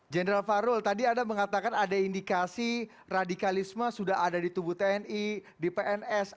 jenderal farul tadi anda mengatakan ada indikasi radikalisme sudah ada di tubuh tni di pns